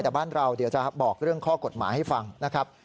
แต่บ้านเราเดี๋ยวจะบอกเรื่องข้อกฎหมายให้ฟังนะครับ